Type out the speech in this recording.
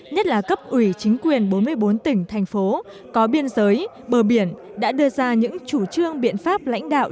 nhất là cấp ủy chính quyền bốn mươi bốn tỉnh thành phố có biên giới bờ biển đã đưa ra những chủ trương biện pháp lãnh đạo